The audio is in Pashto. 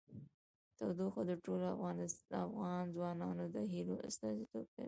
تودوخه د ټولو افغان ځوانانو د هیلو استازیتوب کوي.